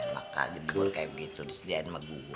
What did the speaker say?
makanya bubur kayak gitu disediain sama gua